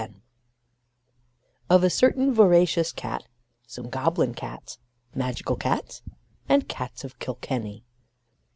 ] _Of a certain Voracious Cat, some Goblin Cats, Magical Cats, and Cats of Kilkenny.